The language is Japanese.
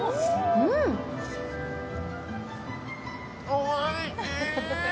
おいしい。